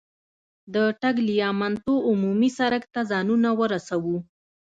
د ټګلیامنتو عمومي سړک ته ځانونه ورسوو.